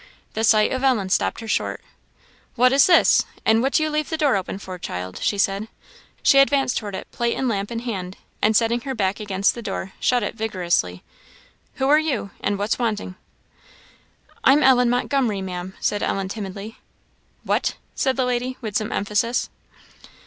The sight of Ellen stopped her short. "What is this? and what do you leave the door open for, child?" she said. She advanced towards it, plate and lamp in hand, and setting her back against the door, shut it vigorously. "Who are you? and what's wanting?" "I am Ellen Montgomery, Maam," said Ellen timidly. "What?" said the lady, with some emphasis.